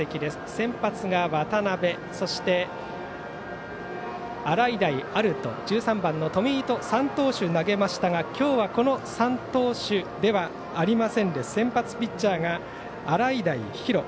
先発が渡部、そして洗平歩人１３番の冨井と３投手が投げましたが今日は、この３投手ではありませんで先発ピッチャーが洗平比呂。